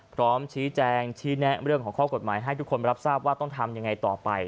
พร้อมชี้แจงชี้แนะเรื่องของข้อกฎหมายให้ทุกคนรับทราบว่าต้องทำยังไงต่อไป